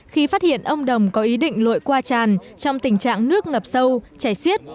khi phát hiện ông đồng có ý định lội qua tràn trong tình trạng nước ngập sâu chảy xiết